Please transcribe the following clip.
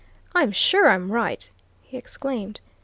"I'm sure I'm right!" he exclaimed.